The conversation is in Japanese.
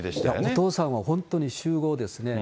お父さんは本当に酒豪ですね。